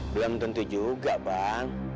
belum tentu juga bang